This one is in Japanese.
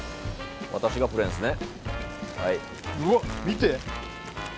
私がプレーンですね。